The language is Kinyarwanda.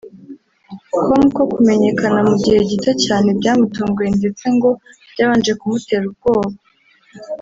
com ko kumenyekana mu gihe gito cyane byamutunguye ndetse ngo byabanje kumutera ubwoba